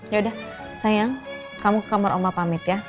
yaudah sayang kamu ke kamar oma pamit ya